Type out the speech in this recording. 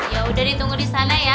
ya udah ditunggu disana ya